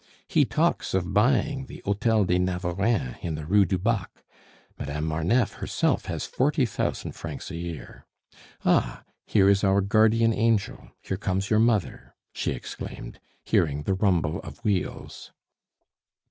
He talks of buying the Hotel de Navarreins, in the Rue du Bac. Madame Marneffe herself has forty thousand francs a year. Ah! here is our guardian angel, here comes your mother!" she exclaimed, hearing the rumble of wheels.